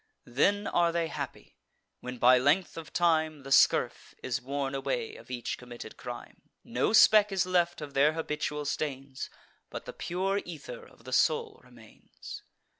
Then are they happy, when by length of time The scurf is worn away of each committed crime; No speck is left of their habitual stains, But the pure ether of the soul remains.